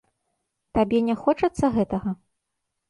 Табе не хочацца гэтага?